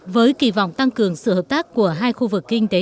với kỳ vọng tăng cường sự hợp tác của hai khu vực kinh tế